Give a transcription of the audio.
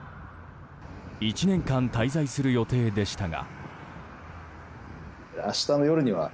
１年間滞在する予定でしたが。